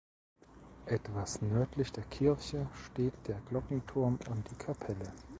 Etwas nördlich der Kirche steht der Glockenturm und die Kapelle.